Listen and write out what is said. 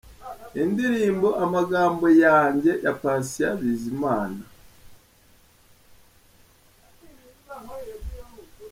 Indirimbo “Amagamo yanjye” ya Patient Bizimana.